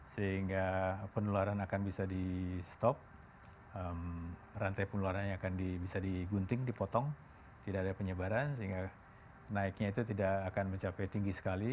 sehingga penularan akan bisa di stop rantai penularannya akan bisa digunting dipotong tidak ada penyebaran sehingga naiknya itu tidak akan mencapai tinggi sekali